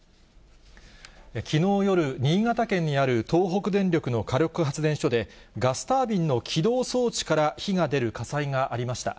きのう夜、新潟県にある東北電力の火力発電所で、ガスタービンの起動装置から火が出る火災がありました。